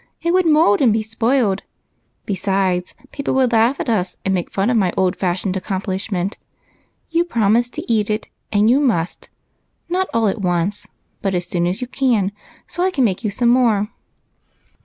It would mould and be spoilt. Besides, peojDle would laugh at us, and make fun of my old fashioned accomplishment. You prom ised to eat it, and you must ; not all at once, but as soon as you can, so I can make you some more."